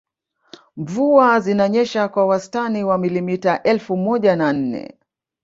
Mvua zinanyesha kwa wastani wa milimita elfu moja na nne